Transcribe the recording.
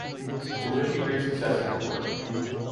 We wish you great success in your work.